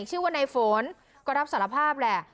ชื่อว่าในฝนก็รับสารภาพแหละ